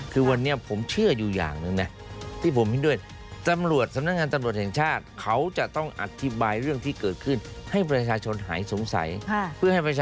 คือวันนี้ผมเชื่ออยู่อย่างหนึ่งย๊า